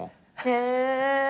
へぇ。